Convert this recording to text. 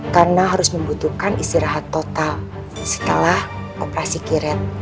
karena harus membutuhkan istirahat total setelah operasi kiret